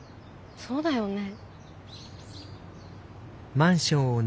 そうだよね。